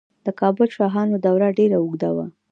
د کابل شاهانو دوره ډیره اوږده وه